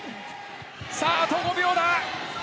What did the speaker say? さあ、あと５秒だ。